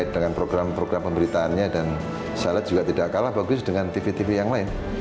dengan program program pemberitaannya dan saya lihat juga tidak kalah bagus dengan tv tv yang lain